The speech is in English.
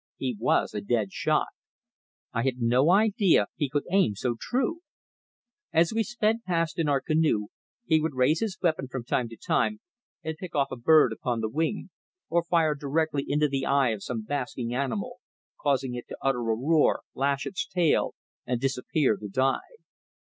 He was a dead shot. I had no idea he could aim so true. As we sped past in our canoe he would raise his weapon from time to time and pick off a bird upon the wing, or fire directly into the eye of some basking animal, causing it to utter a roar, lash its tail and disappear to die.